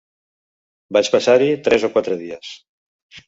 Vaig passar-hi tres o quatre dies